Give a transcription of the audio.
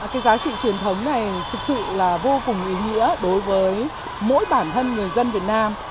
cái giá trị truyền thống này thực sự là vô cùng ý nghĩa đối với mỗi bản thân người dân việt nam